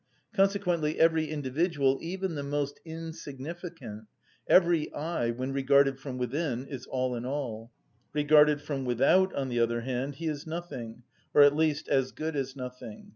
Consequently every individual, even the most insignificant, every I, when regarded from within, is all in all; regarded from without, on the other hand, he is nothing, or at least as good as nothing.